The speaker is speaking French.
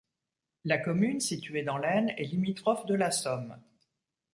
La commune, située dans l'Aisne, est limitrophe de la Somme.